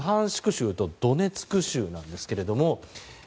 州とドネツク州なんですけれども。